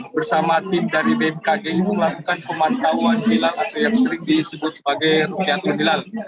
bersama tim dari bmkg melakukan pemantauan hilal atau yang sering disebut sebagai rukiatul hilal